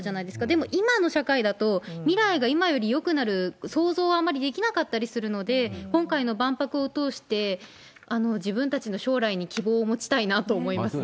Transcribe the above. でも、今の社会だと、未来が今よりよくなる想像をあまりできなかったりするので、今回の万博を通して、自分たちの将来に希望を持ちたいなと思いますね。